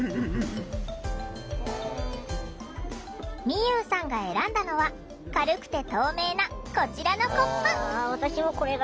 みゆうさんが選んだのは軽くて透明なこちらのコップ。